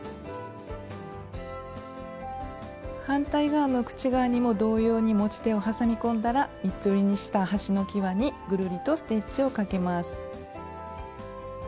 反対側の口側にも同様に持ち手をはさみ込んだら三つ折りにした端のきわにぐるりとステッチをかけます。